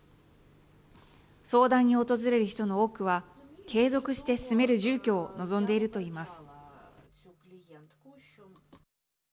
相談に訪れる人の多くは継続して住める住居を望んでいると言います。